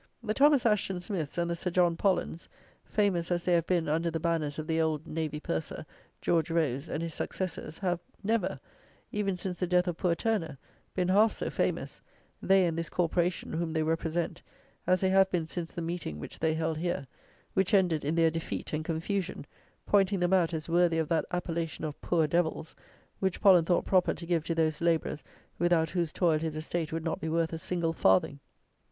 The Thomas Asheton Smiths and the Sir John Pollens, famous as they have been under the banners of the Old Navy Purser, George Rose, and his successors, have never, even since the death of poor Turner, been half so famous, they and this Corporation, whom they represent, as they have been since the Meeting which they held here, which ended in their defeat and confusion, pointing them out as worthy of that appellation of "Poor Devils," which Pollen thought proper to give to those labourers without whose toil his estate would not be worth a single farthing.